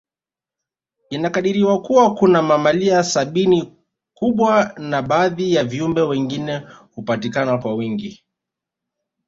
Inakadiriwa Kuwa kuna mamalia sabini kubwa na baadhi ya viumbe wengine hupatikana kwa wingi